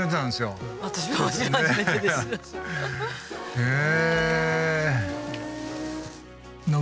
へえ。